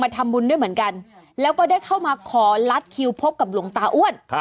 ทำบุญด้วยเหมือนกันแล้วก็ได้เข้ามาขอลัดคิวพบกับหลวงตาอ้วน